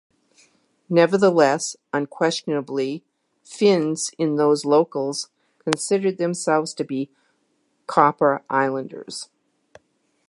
Nevertheless, "unquestionably" Finns in those locales considered themselves to be "Copper Islanders.